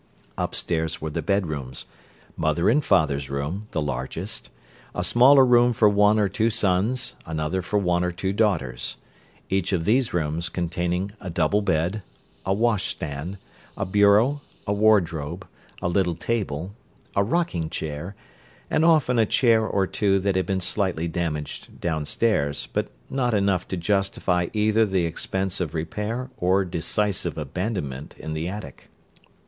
Upstairs were the bedrooms; "mother and father's room" the largest; a smaller room for one or two sons another for one or two daughters; each of these rooms containing a double bed, a "washstand," a "bureau," a wardrobe, a little table, a rocking chair, and often a chair or two that had been slightly damaged downstairs, but not enough to justify either the expense of repair or decisive abandonment in the attic.